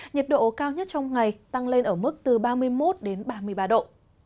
nhiệt độ cao nhất trong ngày tăng lên ở mức từ ba mươi một đến ba mươi ba độ